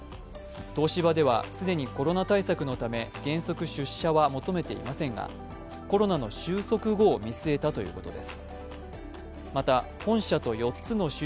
東芝では既にコロナ対策のため原則、出社は求めていませんがコロナの終息後を見据えたということです。